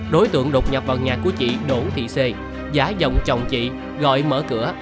đối tượng đột nhập vào nhà của chị đỗ thị c giả giọng chồng chị gọi mở cửa